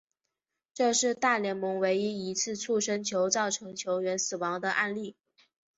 这是大联盟唯一一次触身球造成球员死亡的案例。